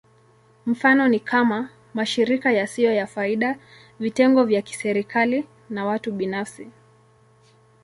Mifano ni kama: mashirika yasiyo ya faida, vitengo vya kiserikali, na watu binafsi.